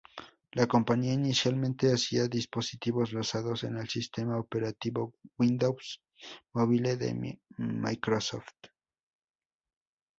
La compañía inicialmente hacía dispositivos basados en el sistema operativo Windows Mobile de Microsoft.